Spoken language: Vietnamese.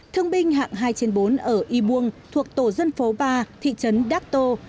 thương binh hạng hai trên bốn ở y buông thuộc tổ dân phố ba thị trấn đắc tô